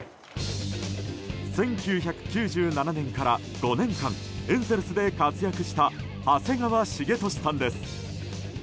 １９９７年から５年間エンゼルスで活躍した長谷川滋利さんです。